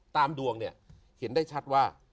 ตามดวงเห็นได้ชัดว่า